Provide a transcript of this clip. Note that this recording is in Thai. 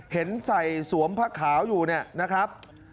เห็นใส่สวมผ้าขาวอยู่เนี่ยนะครับ